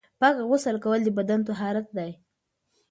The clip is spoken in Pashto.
پاک غسل کول د بدن طهارت دی.